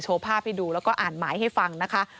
ภาพให้ดูแล้วก็อ่านหมายให้ฟังนะคะ